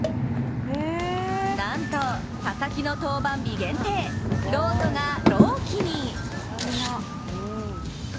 なんと佐々木の登板日限定、ロートがロウキに。